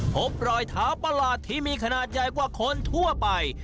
พบรอยเท้าประหลาดที่มีขนาดใหญ่กว่าคนทั่วไป